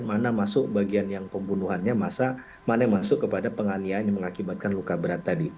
mana masuk bagian yang pembunuhannya mana yang masuk kepada penganiayaan yang mengakibatkan luka berat tadi